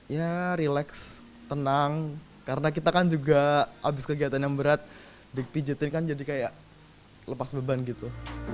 ya relax tenang karena kita kan juga abis kegiatan yang berat dipijatin kan jadi kayak lepas beban gitu